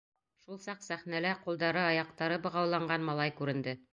Шул саҡ сәхнәлә ҡулдарыаяҡтары бығауланған малай күренде.